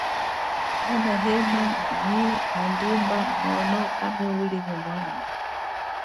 Kana hema nyi udumba mono wahapwila mwana.